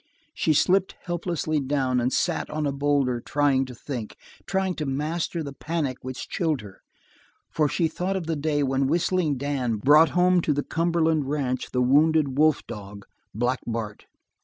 She slipped helplessly down, and sat on a boulder trying to think, trying to master the panic which chilled her; for she thought of the day when Whistling Dan brought home to the Cumberland Ranch the wounded wolf dog, Black Bart.